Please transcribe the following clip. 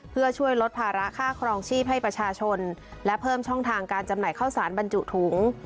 เพื่อช่วยลดภาระค่าครองชีพให้ประชาชนและเพิ่มช่องทางการจำหน่ายข้าวสารบรรจุถุง